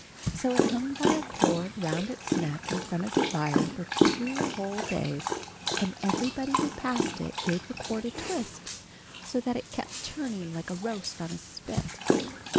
So it hung by a cord around its neck in front of the fire for two whole days, and everybody who passed it gave the cord a twist, so that it was kept turning like a roast on a spit.